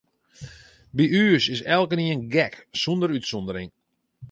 By ús is elkenien gek, sûnder útsûndering.